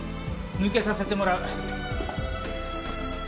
抜けさせてもらう。